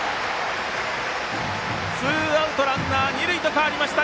ツーアウトランナー、二塁と変わりました。